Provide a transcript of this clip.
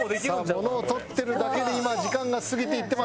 さあ物を取ってるだけで今時間が過ぎていってます。